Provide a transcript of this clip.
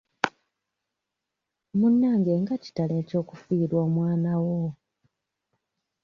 Munnange nga kitalo eky'okufiirwa omwana wo.